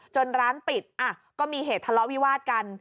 ร้านปิดก็มีเหตุทะเลาะวิวาดกัน